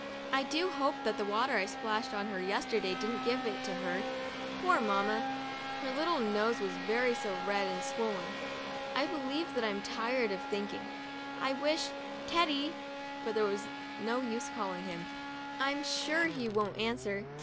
I do hope that the water I splashed on her yesterday didn't give it to her. Poor Mamma ! her little nose is so very red and swollen. I believe that I'm tired of thinking. I wish Teddy — but there's no use calling to him. I'm sure he won't answer.